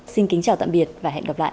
xin kính chào tạm biệt và hẹn gặp lại